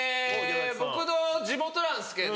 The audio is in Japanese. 僕の地元なんですけど。